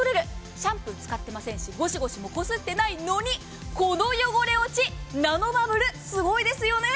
シャンプー使ってませんしこすってないのにこの汚れ落ちナノバブルすごいですよね。